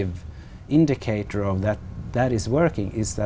vì vậy sài gòn là một quốc gia nhỏ